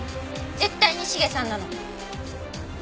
絶対に茂さんなの。